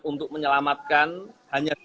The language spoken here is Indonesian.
untuk menyelamatkan hanya